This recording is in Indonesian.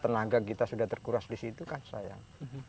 tenaga kita sudah terkuras di situ kan sayang